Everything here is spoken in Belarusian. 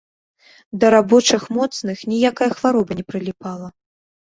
Да рабочых моцных ніякая хвароба не прыліпала.